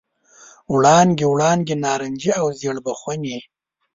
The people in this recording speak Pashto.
وړانګې، وړانګې نارنجي او ژړ بخونې،